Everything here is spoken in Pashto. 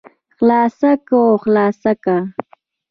خلاصه که او خلاصه که.